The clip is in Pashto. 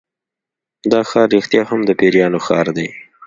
دا ښار رښتیا هم د پیریانو ښار دی.